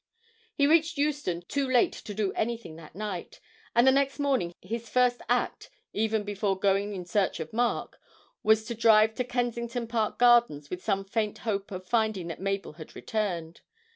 He reached Euston too late to do anything that night, and the next morning his first act, even before going in search of Mark, was to drive to Kensington Park Gardens with some faint hope of finding that Mabel had returned.